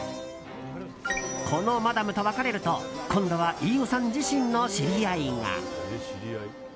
このマダムと別れると今度は飯尾さん自身の知り合いが。